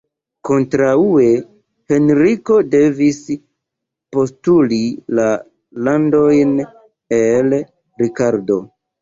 Kontraŭe, Henriko devis postuli la landojn el Rikardo.